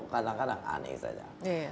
kadang kadang aneh saja